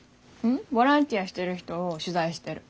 ボランティアしてる人を取材してる。